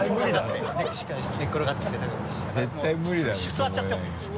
座っちゃって。